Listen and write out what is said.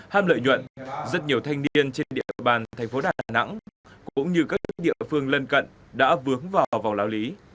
ham lợi nhuận rất nhiều thanh niên trên địa bàn thành phố đà nẵng cũng như các địa phương lân cận đã vướng vào vòng lao lý